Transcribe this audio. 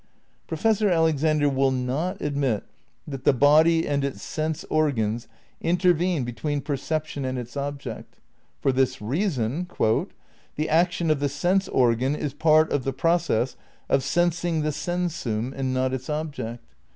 Professor Alexander will not admit that the body and its sense organs intervene between perception and its object. For this reason :.. "The action of the sense organ is part of the process of sensing the sensum, not its object.